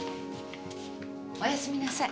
おやすみなさい。